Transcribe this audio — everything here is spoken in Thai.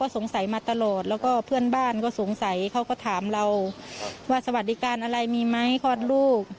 สงสัยเขาก็ถามเราว่าสวัสดิการอะไรมีไหมคลอดลูก